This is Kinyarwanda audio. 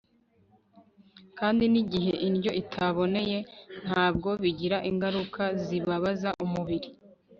kandi n'igihe indyo itaboneye, na bwo bigira ingaruka zibabaza umubiri